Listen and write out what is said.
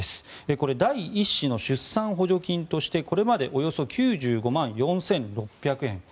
これ、第１子の出産補助金としてこれまでおよそ９５万４６００円